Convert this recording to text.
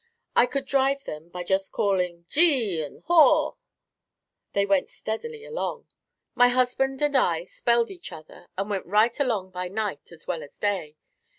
I could drive them by just calling "Gee and Haw". They went steadily along. My husband and I spelled each other and went right along by night as well as day.